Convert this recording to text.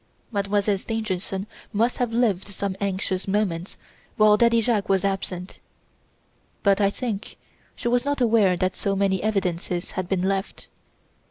"Mademoiselle Stangerson must have lived some anxious moments while Daddy Jacques was absent; but I think she was not aware that so many evidences had been left.